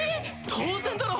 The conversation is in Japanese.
当然だろ！